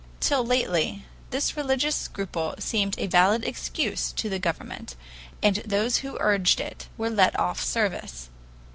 Till lately this religious scruple seemed a valid excuse to the government, and those who urged it were let off service.